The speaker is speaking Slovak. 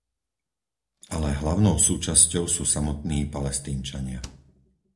Ale hlavnou časťou sú samotní Palestínčania.